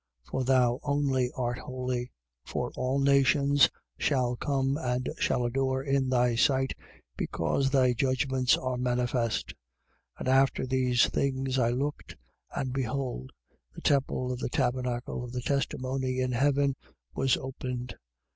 For thou only art holy. For all nations shall come and shall adore in thy sight, because thy judgments are manifest. 15:5. And after these things, I looked: and behold, the temple of the tabernacle of the testimony in heaven was opened.